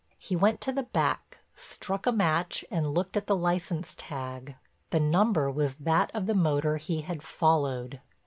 He went to the back, struck a match and looked at the license tag—the number was that of the motor he had followed.